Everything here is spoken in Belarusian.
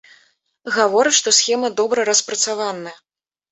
Гаворыць, што схема добра распрацаваная.